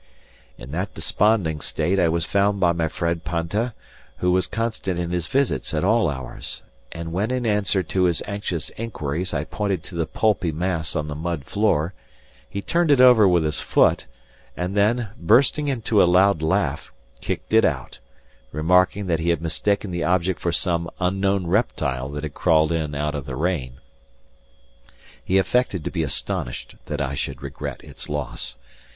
In that desponding state I was found by my friend Panta, who was constant in his visits at all hours; and when in answer to his anxious inquiries I pointed to the pulpy mass on the mud floor, he turned it over with his foot, and then, bursting into a loud laugh, kicked it out, remarking that he had mistaken the object for some unknown reptile that had crawled in out of the rain. He affected to be astonished that I should regret its loss.